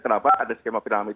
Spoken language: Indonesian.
kenapa ada skema piramid